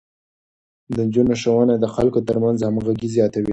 د نجونو ښوونه د خلکو ترمنځ همغږي زياتوي.